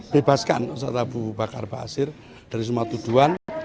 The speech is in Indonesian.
bebaskan ustaz abu bakar bashir dari semua tuduhan